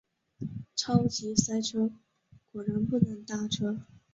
超级塞车，果然不能搭车